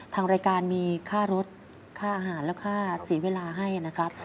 ทางรายการมีค่ารถค่าอาหารและค่าเสียเวลาให้นะครับ